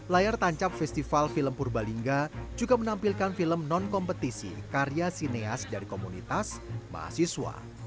layar tancap festival film purbalingga juga menampilkan film non kompetisi karya sineas dari komunitas mahasiswa